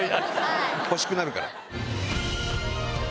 欲しくなるから。